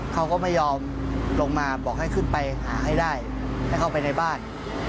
เขาก็ไม่ยอมลงมาบอกให้ขึ้นไปหาให้ได้ให้เข้าไปในบ้าน